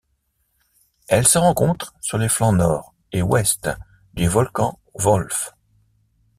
Elle se rencontre sur les flancs Nord et Ouest du volcan Wolf.